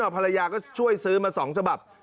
ภรรยาก็ช่วยซื้อมา๒ฉบับ